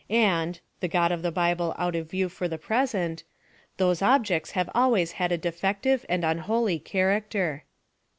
And (the God of the Bible out of view for ;lie presen*) those objects have always had a defec tive and unholy character.